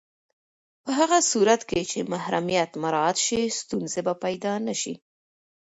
په هغه صورت کې چې محرمیت مراعت شي، ستونزې به پیدا نه شي.